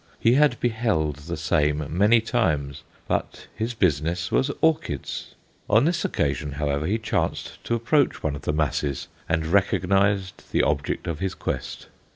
He had beheld the same many times, but his business was orchids. On this occasion, however, he chanced to approach one of the masses, and recognized the object of his quest.